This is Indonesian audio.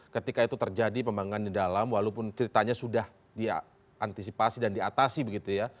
ketika itu terjadi pembangunan di dalam walaupun ceritanya sudah diantisipasi dan diatasi begitu ya